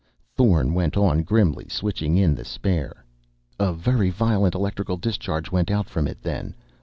Thorn went on grimly, switching in the spare. "A very violent electrical discharge went out from it then.